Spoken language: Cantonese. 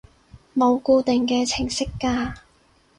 冇固定嘅程式㗎